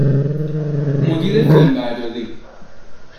مدیر فیلمبرداری